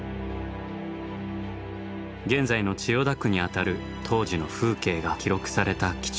現在の千代田区にあたる当時の風景が記録された貴重な映像。